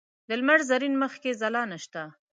د لمر زرین مخ کې ځلا نشته